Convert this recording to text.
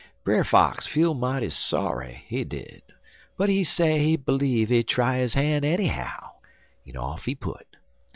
Brer Fox feel mighty sorry, he did, but he say he bleeve he try his han' enny how, en off he put.